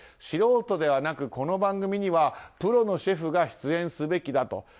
素人ではなくこの番組にはプロのシェフが出演すべきだと。